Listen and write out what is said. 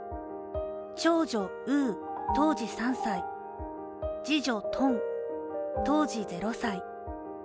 長女、うー、当時３歳、次女、とん、当時０歳。